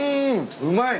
うまい。